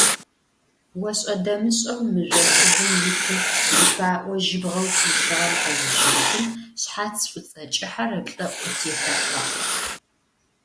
Ошӏэ-дэмышӏэу мыжъо шыгум итым ипаӏо жьыбгъэу къилъыгъэм къызыщехым, шъхьац шӏуцӏэ кӏыхьэр ыплӏэӏу къытетэкъуагъ.